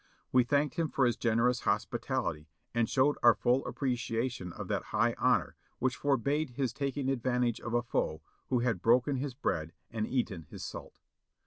We thanked him for his generous hospitality and showed our full appreciation of that high honor which forbade his taking advantage of a foe who had broken his bread and eaten his salt.